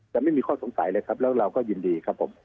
ไม่มีข้อสงสัยเลยครับแล้วเราก็ยินดีครับผม